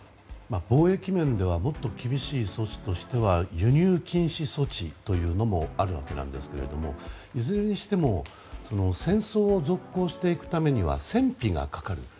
貿易面ではもっと厳しい措置としては輸入禁止措置というのもあるわけなんですけれどもいずれにしても戦争を続行していくためには戦費がかかる。